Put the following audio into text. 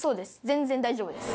全然大丈夫です。